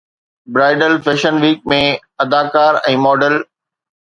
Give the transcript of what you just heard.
bridal fashion week ۾ اداڪار ۽ model